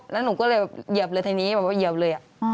แล้วหนูก็เหยียบเลยทีนี้เหยียบเลย